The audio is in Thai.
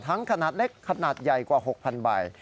ทั้งขนาดเล็กขนาดใหญ่กว่าหกพันใบ